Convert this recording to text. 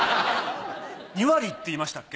２割って言いましたっけ？